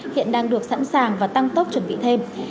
hiện đang được sẵn sàng và tăng tốc chuẩn bị thêm